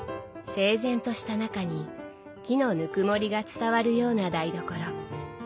整然とした中に木のぬくもりが伝わるような台所。